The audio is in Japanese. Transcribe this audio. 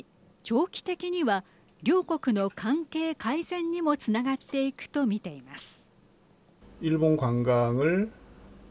長期的には両国の関係改善にもつながっていくと見ています。